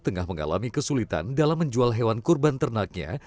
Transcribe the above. tengah mengalami kesulitan dalam menjual hewan kurban ternaknya